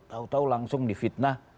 tau tau langsung di fitnah